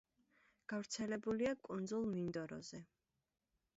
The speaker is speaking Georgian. გავრცელებულია კუნძულ მინდოროზე.